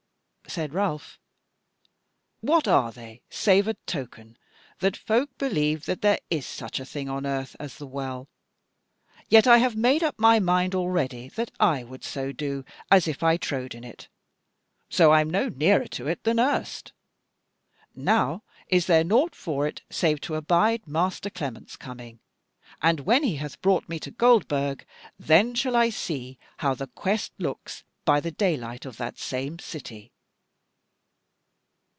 Said Ralph: "What are they, save a token that folk believe that there is such a thing on earth as the Well? Yet I have made up my mind already that I would so do as if I trowed in it. So I am no nearer to it than erst. Now is there naught for it save to abide Master Clement's coming; and when he hath brought me to Goldburg, then shall I see how the quest looks by the daylight of that same city."